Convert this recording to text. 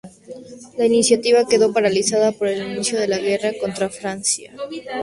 La iniciativa quedó paralizada por el inicio de la guerra contra Francia.